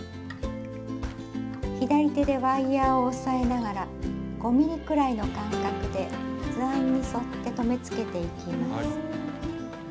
左手でワイヤーを押さえながら５ｍｍくらいの間隔で図案に沿って留めつけていきます。